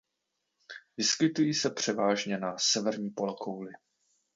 Vyskytují se převážně na severní polokouli.